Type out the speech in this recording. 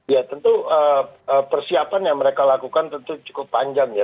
ya tentu persiapan yang mereka lakukan tentu cukup panjang ya